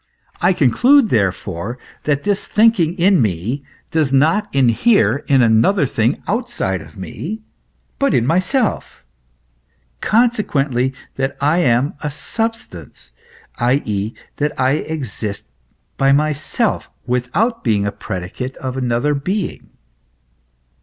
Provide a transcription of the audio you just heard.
I conclude, therefore, that this thinking in me does not inhere in another thing outside of me, but in myself, consequently that I am a substance, i.e. GOD AS A BEING OF THE UNDERSTANDING. 39 that I exist by myself, without being a predicate of another being."